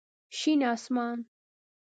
شين اسمان